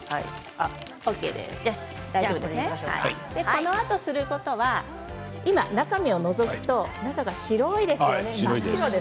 このあと、することは今中身をのぞくと白いです。